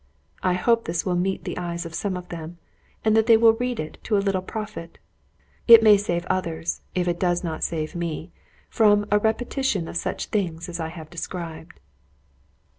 I hope this will meet the eyes of some of them, and that they will read it to a little profit. It may save others, if it does not save me from a repetition of such things as I have described.